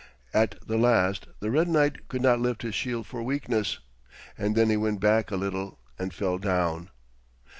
At the last the red knight could not lift his shield for weakness, and then he went back a little and fell down.